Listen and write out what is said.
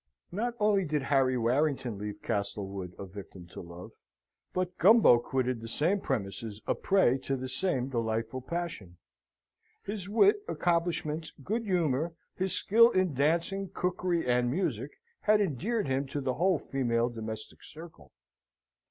Not only did Harry Warrington leave Castlewood a victim to love, but Gumbo quitted the same premises a prey to the same delightful passion. His wit, accomplishments, good humour, his skill in dancing, cookery, and music, had endeared him to the whole female domestic circle.